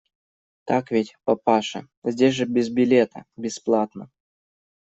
Так ведь, папаша, здесь же без билета, бесплатно!